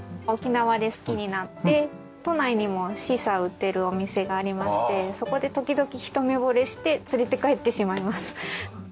沖縄で好きになって都内にもシーサー売ってるお店がありましてそこで時々一目惚れして連れて帰ってしまいます。